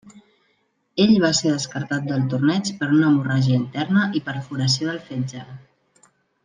Ell va ser descartat del torneig per una hemorràgia interna i perforació del fetge.